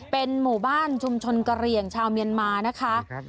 เป็นหมู่บ้านชุมชนกระเหลี่ยงชาวเมียนมานะคะ